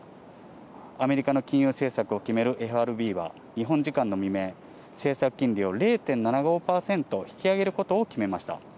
アメリカの金融政策を決めるＦＲＢは日本時間の未明、政策金利を０．７５％引き上げることを決めました。